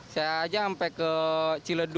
saya aja sampai ke ciledug